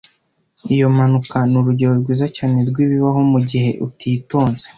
Iyo mpanuka nurugero rwiza cyane rwibibaho mugihe utitonze.